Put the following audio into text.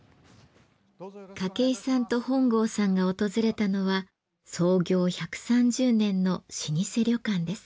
筧さんと本郷さんが訪れたのは創業１３０年の老舗旅館です。